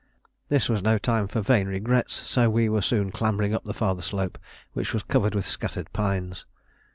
This was no time for vain regrets, so we were soon clambering up the farther slope, which was covered with scattered pines.